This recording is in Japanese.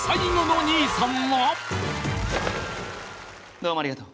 どうもありがとう。